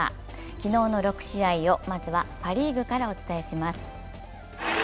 昨日の６試合を、まずはパ・リーグからお伝えします。